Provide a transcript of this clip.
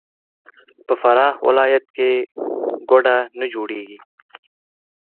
په فراه ولایت کې ګوړه نه جوړیږي.